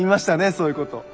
そういうこと。